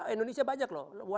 indonesia banyak loh